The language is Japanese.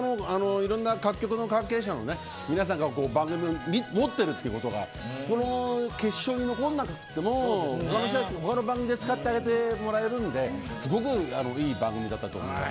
他局の関係者の皆さんが番組を持っているということはこの決勝に残らなくても他の番組で使ってあげてもらえるんですごくいい番組だったと思います。